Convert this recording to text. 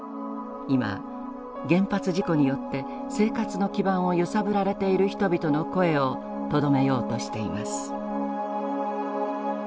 今原発事故によって生活の基盤を揺さぶられている人々の声をとどめようとしています。